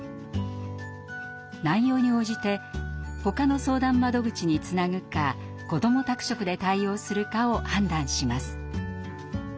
内容に応じてほかの相談窓口につなぐかこども宅食で対応するかを判断します。